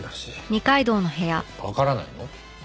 えっわからないの？